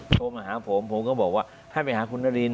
โทรมาหาผมผมก็บอกว่าให้ไปหาคุณนาริน